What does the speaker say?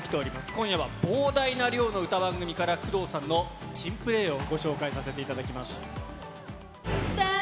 今夜は膨大な量の歌番組から、工藤さんの珍プレーをご紹介させていただきます。